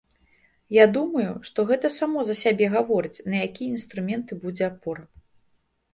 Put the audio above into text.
Я думаю, што гэта само за сябе гаворыць, на якія інструменты будзе апора.